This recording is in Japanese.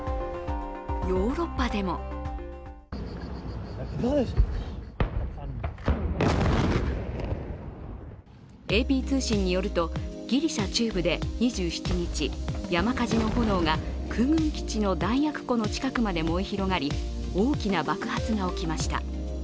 ヨーロッパでもＡＰ通信によると、ギリシャ中部で２７日、山火事の炎が空軍基地の弾薬庫の近くまで燃え広がり、大きな爆発が起きました。